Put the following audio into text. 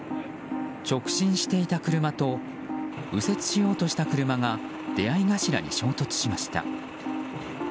直進していた車と右折しようとした車が出合い頭に衝突しました。